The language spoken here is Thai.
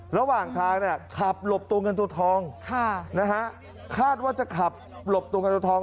ระหว่างทางเนี่ยขับหลบตัวเงินตัวทองคาดว่าจะขับหลบตัวเงินตัวทอง